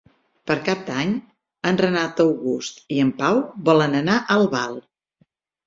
Per Cap d'Any en Renat August i en Pau volen anar a Albal.